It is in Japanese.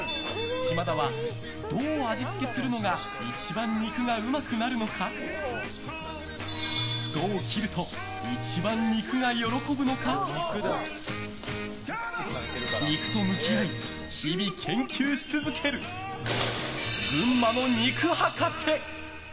島田はどう味付けするのが一番、肉がうまくなるのかどう切ると一番、肉が喜ぶのか肉と向き合い、日々研究し続ける群馬の肉博士。